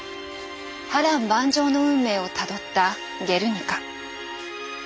波乱万丈の運命をたどった「ゲルニカ」。